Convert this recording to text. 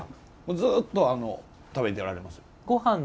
ずっと、食べてられます。